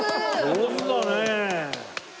上手だねえ！